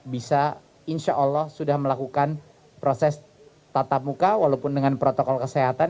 bisa insya allah sudah melakukan proses tatap muka walaupun dengan protokol kesehatan